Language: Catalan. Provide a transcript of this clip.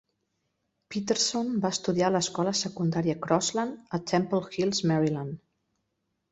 Peterson va estudiar a l'escola secundària Crossland a Temple Hills, Maryland.